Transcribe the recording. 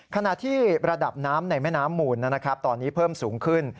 ขณะที่ระดับน้ำในแม่น้ำหมูลตอนนี้เพิ่มสูงขึ้น